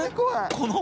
この。